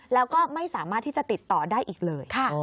แล้วก็ไม่สามารถที่จะติดต่อได้อีกเลย